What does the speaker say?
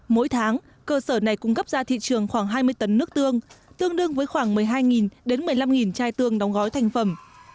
mỗi tháng cơ sở này cung cấp ra thị trường khoảng hai mươi tấn nước tương đương với khoảng một mươi hai đến một mươi năm chai tương đóng gói thành phẩm